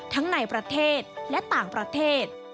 ทั้งในประเทศและต่างประเทศ